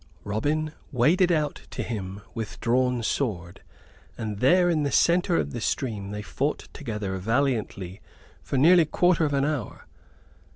Robin waded out to him with drawn sword; and there in the center of the stream they fought together valiantly for near a quarter of an hour.